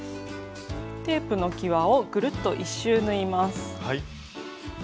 テープのきわをぐるっと１周縫います。